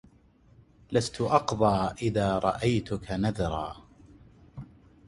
لست أقضى إذا رأيتك نذرا